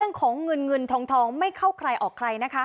เรื่องของเงินเงินทองไม่เข้าใครออกใครนะคะ